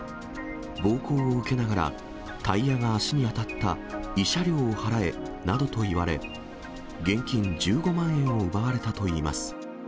暴行を受けながら、タイヤが足に当たった、慰謝料を払えなどと言われ、現金１５万円を奪われたといいます。